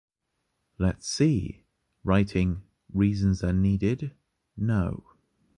Let’s see! writing “Reasons are needed”...”No